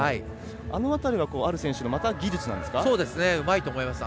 あのあたりがアル選手の技術なんですか？